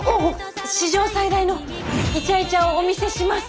史上最大のイチャイチャをお見せします。